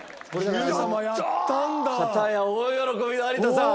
片や大喜びの有田さん。